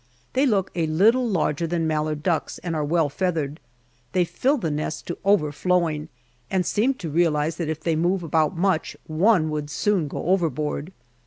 They look a little larger than mallard ducks, and are well feathered. They fill the nest to overflowing, and seem to realize that if they move about much, one would soon go overboard.